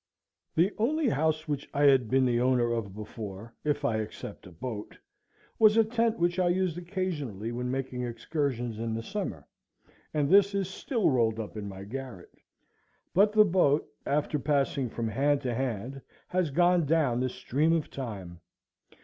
The only house I had been the owner of before, if I except a boat, was a tent, which I used occasionally when making excursions in the summer, and this is still rolled up in my garret; but the boat, after passing from hand to hand, has gone down the stream of time.